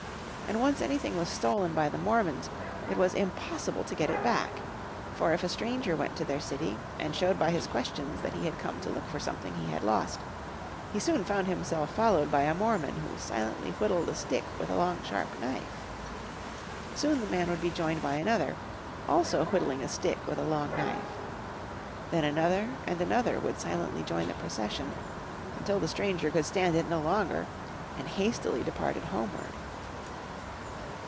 And once anything was stolen by the Mormons, it was impossible to get it back. For if a stranger went to their city, and showed by his questions that he had come to look for something he had lost, he soon found himself followed by a Mormon who silently whittled a stick with a long sharp knife. Soon the man would be joined by another, also whittling a stick with a long knife. Then another and another would silently join the procession, until the stranger could stand it no longer and hastily departed homeward.